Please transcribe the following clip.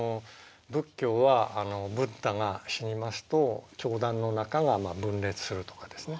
仏教はブッダが死にますと教団の中が分裂するとかですね